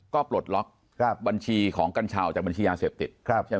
ก็ปลดล็อกบัญชีของกัญชาวจากบัญชียาเสพติด